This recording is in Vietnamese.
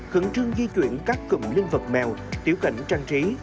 khẩn trương di chuyển các cụm linh vật mèo tiểu cảnh trang trí